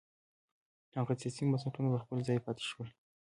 هغه سیاسي بنسټونه په خپل ځای پاتې شول.